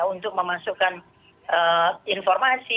untuk memasukkan informasi